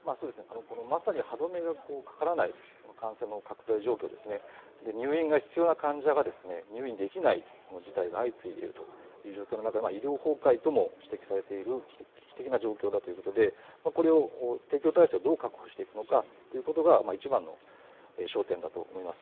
このまさに歯止めがかからない、感染の拡大状況ですね、入院が必要な患者がですね、入院できない、この事態が相次いでいるという状況の中で、医療崩壊とも指摘されている危機的な状況だということで、これを、提供体制をどう確保していくのかということが、一番の焦点だと思います。